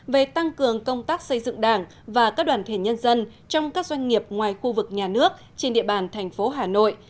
về tăng cường công tác xây dựng đảng và các đoàn thể nhân dân trong các doanh nghiệp ngoài khu vực nhà nước trên địa bàn thành phố hà nội